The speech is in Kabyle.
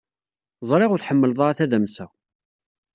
Ẓriɣ ur tḥemmled ara tadamsa.